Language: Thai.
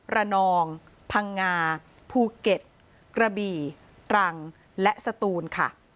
ระนองพังงาภูเก็ตกระบี่ตรังและสตูนค่ะ